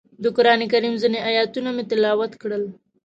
د قرانکریم ځینې ایتونه مې تلاوت کړل.